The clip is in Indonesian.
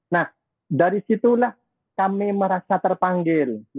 nah dari situlah kami merasa terpanggil